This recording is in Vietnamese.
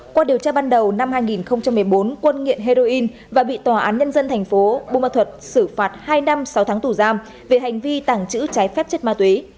qua điều tra ban đầu năm hai nghìn một mươi bốn quân nghiện heroin và bị tòa án nhân dân thành phố bù ma thuật xử phạt hai năm sáu tháng tù giam về hành vi tàng trữ trái phép chất ma túy